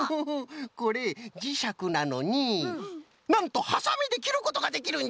これじしゃくなのになんとはさみできることができるんじゃ！